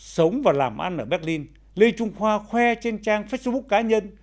sống và làm ăn ở berlin lê trung khoa khoe trên trang facebook cá nhân